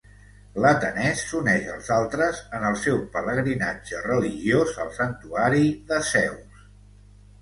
L'atenès s'uneix als altres en el seu pelegrinatge religiós al santuari de Zeus.